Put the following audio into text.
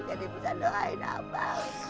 jadi bisa doain apa